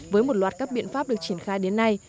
với một loạt các biện pháp được triển khai đến nay